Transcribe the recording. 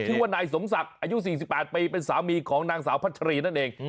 ชื่อว่านายสมศักดิ์อายุ๔๘ปีเป็นสามีของนางสาวพัชรีนั่นเอง